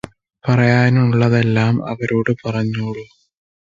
പറയാനുള്ളതെല്ലാം അവരോട് പറഞ്ഞോളു